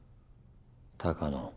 鷹野。